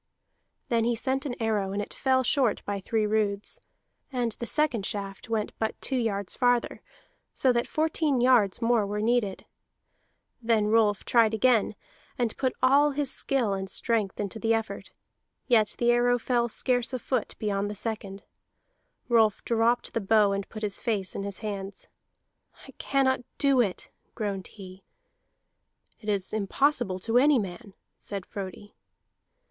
Then he sent an arrow, and it fell short by three roods; and the second shaft went but two yards farther, so that fourteen yards more were needed. Then Rolf tried again, and put all his skill and strength into the effort, yet the arrow fell scarce a foot beyond the second. Rolf dropped the bow and put his face in his hands. "I cannot do it," groaned he. "It is impossible to any man," said Frodi.